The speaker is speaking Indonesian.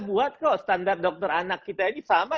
buat kok standar dokter anak kita ini sama